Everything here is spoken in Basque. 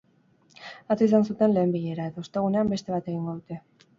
Atzo izan zuten lehen bilera, eta ostegunean beste bat egingo dute.